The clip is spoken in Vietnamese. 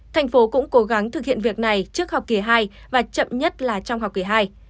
thành phố cũng cố gắng thực hiện việc này trước học kỳ hai và chậm nhất là trong học kỳ hai